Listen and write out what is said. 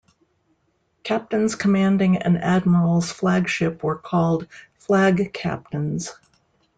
Captains commanding an admiral's flagship were called "flag captains".